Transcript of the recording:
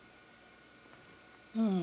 うん。